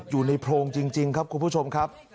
โพรงจริงครับคุณผู้ชมครับ